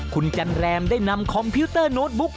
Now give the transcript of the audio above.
คุณจันแรมได้นำคอมพิวเตอร์โน้ตบุ๊ก